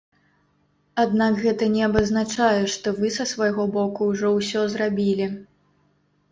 Аднак гэта не абазначае, што вы са свайго боку ўжо ўсё зрабілі.